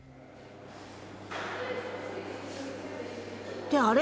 ってあれ？